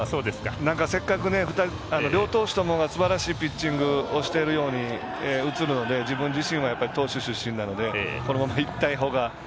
せっかく両投手ともがすばらしいピッチングをしているように映るので、自分自身は投手出身なのでこのまま、いったほうが。